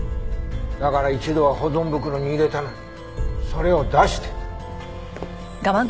だから一度は保存袋に入れたのにそれを出して。